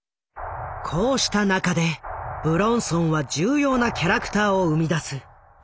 こうした中で武論尊は重要なキャラクターを生み出す。